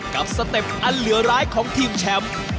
สเต็ปอันเหลือร้ายของทีมแชมป์